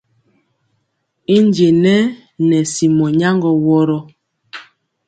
I njenɛ nɛ simɔ nyaŋgɔ wɔrɔ.